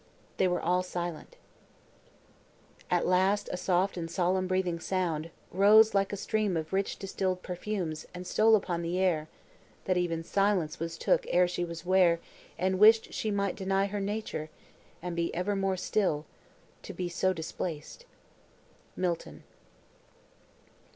They were all silent; At last a soft and solemn breathing sound Rose, like a stream of rich distilled perfumes, And stole upon the air, that even Silence Was took ere she was 'ware, and wished she might Deny her nature, and be never more Still, to be so displaced. MILTON.